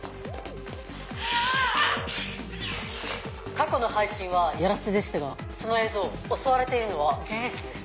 過去の配信はヤラセでしたがその映像襲われているのは事実です。